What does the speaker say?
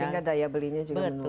sehingga daya belinya juga menurun